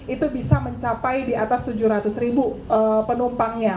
itu bisa mencapai di atas tujuh ratus ribu penumpangnya